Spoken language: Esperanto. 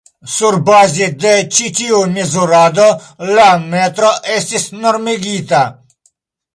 Surbaze de ĉi tiu mezurado la metro estis normigita.